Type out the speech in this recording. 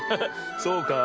そうかい？